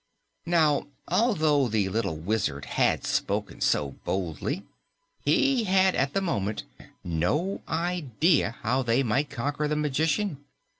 Now although the little Wizard had spoken so boldly, he had at the moment no idea how they might conquer the magician.